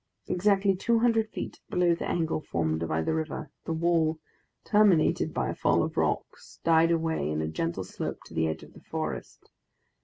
Exactly two hundred feet behind the angle formed by the river, the wall, terminated by a fall of rocks, died away in a gentle slope to the edge of the forest.